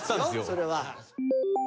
それは。